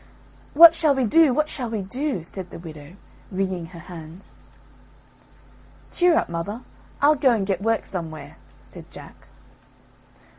"What shall we do, what shall we do?" said the widow, wringing her hands. "Cheer up, mother, I'll go and get work somewhere," said Jack.